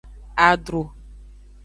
Adru.